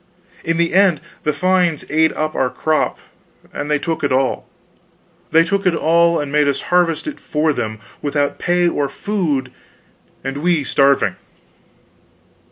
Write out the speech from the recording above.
In the end the fines ate up our crop and they took it all; they took it all and made us harvest it for them, without pay or food, and we starving.